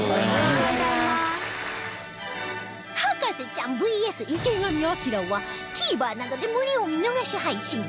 『博士ちゃん ＶＳ 池上彰』は ＴＶｅｒ などで無料見逃し配信